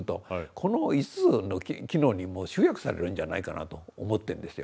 この５つの機能にもう集約されるんじゃないかなと思ってるんですよ。